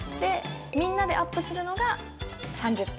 みんなでアップするのが３０分。